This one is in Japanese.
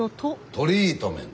「トリートメント」。